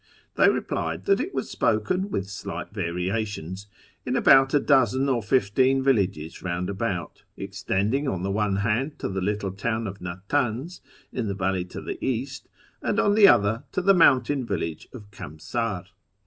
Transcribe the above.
They replied that it was spoken with slight variations in about a dozen or fifteen villages round about, extending on the one hand to the little town of Natanz, in the valley to the east, and on the other to the mountain village of Kamsar.